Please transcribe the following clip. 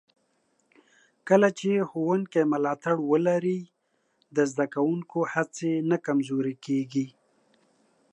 کله چې ښوونکي ملاتړ ولري، د زده کوونکو هڅې نه کمزورې کېږي.